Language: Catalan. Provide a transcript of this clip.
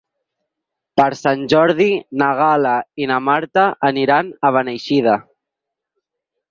Per Sant Jordi na Gal·la i na Marta aniran a Beneixida.